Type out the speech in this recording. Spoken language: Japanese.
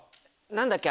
何だっけ？